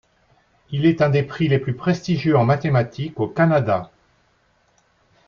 Il est un des prix les plus prestigieux en mathématiques au Canada.